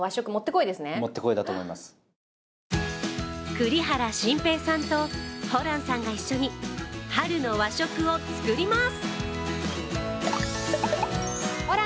栗原心平さんとホランさんが一緒に春の和食を作ります。